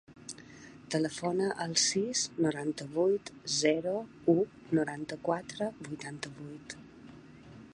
Telefona al sis, noranta-vuit, zero, u, noranta-quatre, vuitanta-vuit.